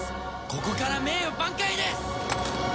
ここから名誉挽回です！